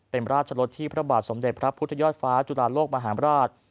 เป็นราชลดที่พระบาทสมเด็จพระพุทธยอดฟ้าจุฬาโลกมหาราช